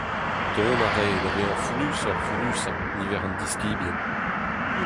Dont a rae da vezañ fonnusoc’h-fonnusañ niver an diskibien.